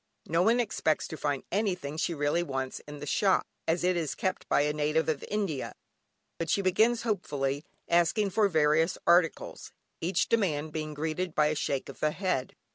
No one expects to find anything she really wants in the shop, as it is kept by a native of India, but she begins hopefully asking for various articles, each demand being greeted by a shake of the head.